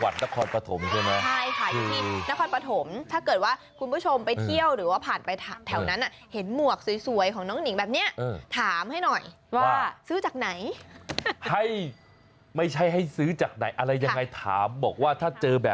สุดยอดปรับมือน้องหนิงมากค่ะ